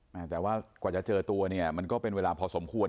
แต่ว่ากว่าจะเจอตัวเนี่ยมันก็เป็นเวลาพอสมควร